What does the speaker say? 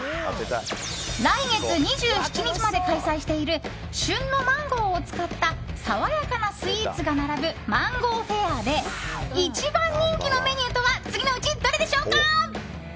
来月２７日まで開催している旬のマンゴーを使った爽やかなスイーツが並ぶマンゴーフェアで一番人気のメニューとは次のうちどれでしょうか。